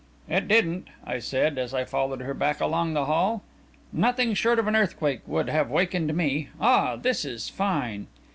"It didn't," I said, as I followed her back along the hall. "Nothing short of an earthquake would have wakened me. Ah, this is fine!"